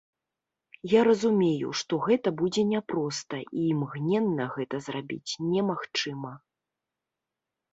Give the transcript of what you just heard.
Я разумею, што гэта будзе няпроста і імгненна гэта зрабіць немагчыма.